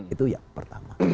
itu yang pertama